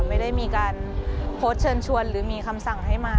ไม่ได้มีการโพสต์เชิญชวนหรือมีคำสั่งให้มา